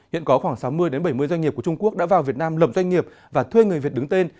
hiện có khoảng sáu mươi bảy mươi doanh nghiệp của trung quốc đã vào việt nam lầm doanh nghiệp và thuê người việt đứng tên